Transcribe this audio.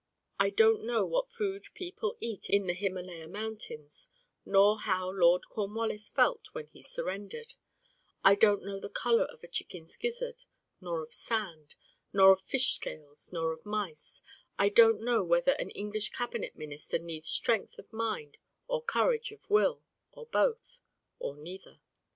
I Don't Know what food people eat in the Himalaya Mountains, nor how Lord Cornwallis felt when he surrendered: I don't know the color of a chicken's gizzard, nor of sand, nor of fish scales, nor of mice: I don't know whether an English cabinet minister needs strength of mind or strength of will, or both, or neither.